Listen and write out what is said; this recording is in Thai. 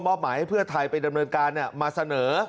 หมายให้เพื่อไทยไปดำเนินการมาเสนอ